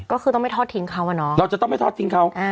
ก็คือต้องไม่ทอดทิ้งเขาอะเนาะเราจะต้องไม่ทอดทิ้งเขา